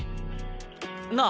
なあ